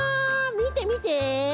みてみて！